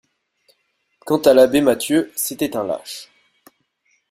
Quant à l'abbé Mathieu, c'était un lâche.